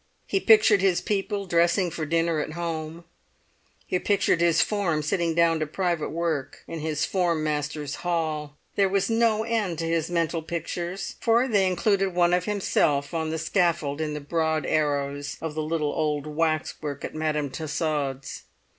He pictured his people dressing for dinner at home; he pictured his form sitting down to private work in his form master's hall; there was no end to his mental pictures, for they included one of himself on the scaffold in the broad arrows of the little old waxwork at Madame Tassaud's!